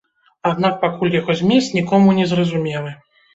Аднак пакуль яго змест нікому не зразумелы.